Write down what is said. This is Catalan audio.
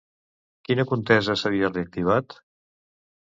Quina contesa s'havia reactivat?